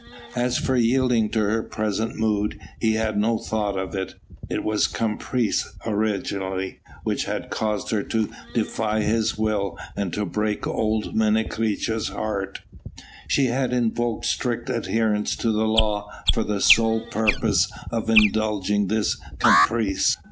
As for yielding to her present mood, he had no thought of it. It was caprice originally which had caused her to defy his will and to break old Menecreta's heart. She had invoked strict adherence to the law for the sole purpose of indulging this caprice.